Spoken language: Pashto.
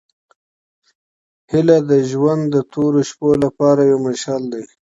هیله د ژوند د تورو شپو لپاره یو مشعل دی.